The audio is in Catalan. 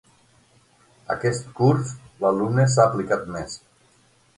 Aquest curs l'alumne s'ha aplicat més.